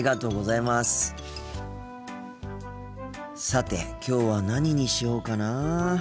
さてきょうは何にしようかなあ。